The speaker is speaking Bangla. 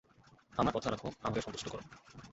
আমার কথা রাখো, আমাকে সন্তুষ্ট করো।